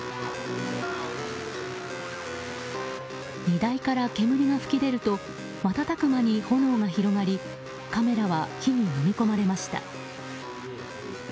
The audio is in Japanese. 荷台から煙が噴き出ると瞬く間に炎が広がりカメラは火にのみ込まれました。